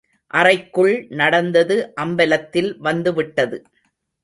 அறைக்குள் நடந்தது அம்பலத்தில் வந்து விட்டது.